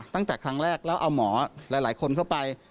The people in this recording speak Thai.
ตั้งแต่ครั้งแรกแล้วเอาหมอหลายคนเข้าไป